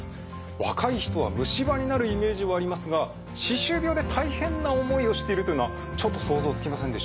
若い人は虫歯になるイメージはありますが歯周病で大変な思いをしているというのはちょっと想像つきませんでしたね。